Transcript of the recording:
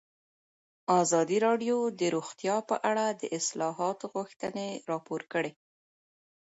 ازادي راډیو د روغتیا په اړه د اصلاحاتو غوښتنې راپور کړې.